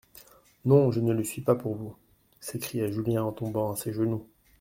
Non, je ne le suis pas pour vous, s'écria Julien en tombant à ses genoux.